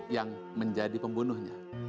yang menjadi pembunuhnya